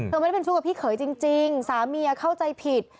ไม่ได้เป็นชู้กับพี่เขยจริงสามีเข้าใจผิด